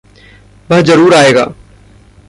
वह ज़रूर आएगा।